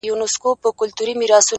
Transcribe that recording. نور به نو څه وکړي مرگی تاته رسوا به سم-